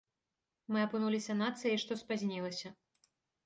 Мы апынуліся нацыяй, што спазнілася.